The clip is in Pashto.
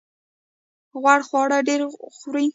غوړ خواړه ډیر خورئ؟